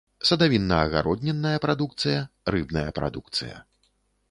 Садавінна-агароднінная прадукцыя, рыбная прадукцыя.